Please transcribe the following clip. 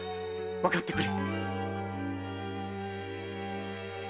わかってくれ。